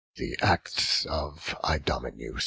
THE ACTS OF IDOMENEUS.